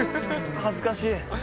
はずかしい。